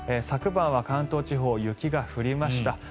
昨晩は関東地方雪が降りました。